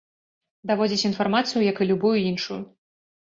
Даводзіць інфармацыю, як і любую іншую.